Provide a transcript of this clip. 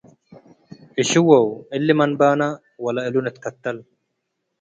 እሽዎ እሊ መምባነ - ወለእሉ ንትከተል